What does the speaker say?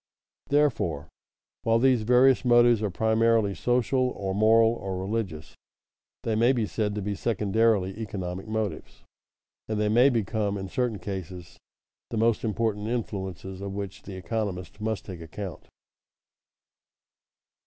Therefore, while these various motives are primarily social or moral or religious, they may be said to be secondarily economic motives, and they may become in certain cases the most important influences of which the economist must take account.